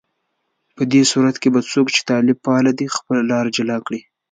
په دې صورت کې به څوک چې طالب پاله دي، خپله لاره جلا کړي